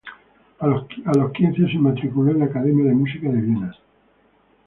A los quince, se matriculó en la Academia de Música de Viena.